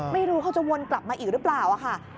ไม่รู้เขาจะวนกลับมาอีกหรือเปล่าค่ะ